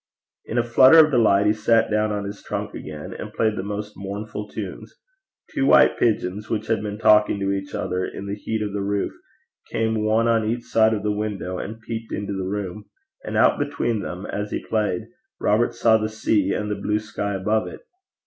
In a flutter of delight he sat down on his trunk again and played the most mournful of tunes. Two white pigeons, which had been talking to each other in the heat on the roof, came one on each side of the window and peeped into the room; and out between them, as he played, Robert saw the sea, and the blue sky above it.